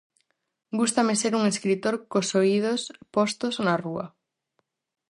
Gústame ser un escritor cos oídos postos na rúa.